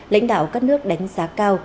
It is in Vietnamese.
lãnh đạo các nước đánh giá cao